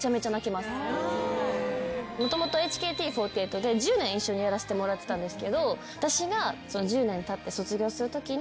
もともとＨＫＴ４８で１０年一緒にやらせてもらってたんですけど。